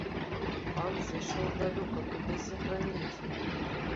Пан зышоў далёка кудысь за граніцу!